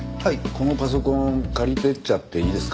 このパソコン借りていっちゃっていいですか？